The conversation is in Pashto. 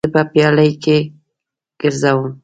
زه به پیالې ګرځوم.